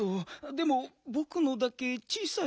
でもぼくのだけ小さい？